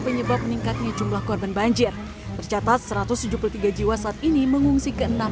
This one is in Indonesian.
penyebab meningkatnya jumlah korban banjir tercatat satu ratus tujuh puluh tiga jiwa saat ini mengungsi ke enam